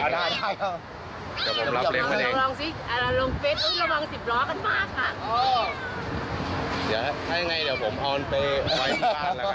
จะเอามันไปเลี้ยงหรือเปล่า